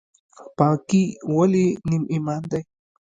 پاکي ولې نیم ایمان دی؟